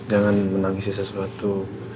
jangan menangis sesuatu